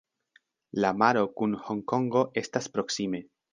La maro kun Honkongo estas proksime.